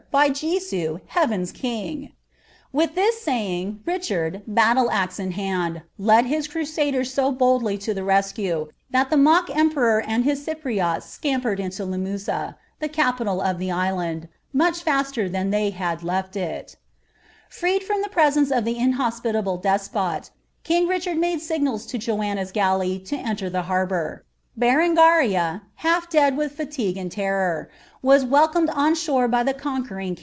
y J«u, lipnvi n'a kiiigl" Wjih tliJB saying, RichanI, batlle Axe in hand, led his criisaderB so Mdly tn ilie rescue, that tlie mock emperor and his Cypriots scompered iaio LiinoussB, ilie capital of the island, much faster than they had WiiL r'r'.rd ftoto ilie presence of the inhospitable despot, king Richard '■ rignals for Joanna's galley to enter the harbour. Bereupiria, half ; 11 Uh laligue and terror, was welcomed on shore by the conquering